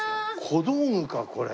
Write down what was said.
小道具かこれ。